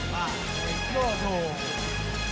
มาเป็นเครื่องโทร